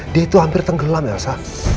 dia itu hampir tenggelam elsa